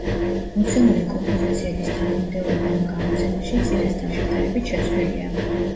მოცემული კომპოზიციების თანმიმდევრობა ამ გამოცემაში, წინასთან შედარებით, შეცვლილია.